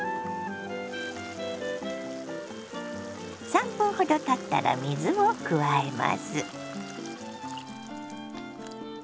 ３分ほどたったら水を加えます。